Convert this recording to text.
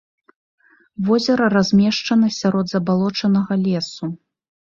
Возера размешчана сярод забалочанага лесу.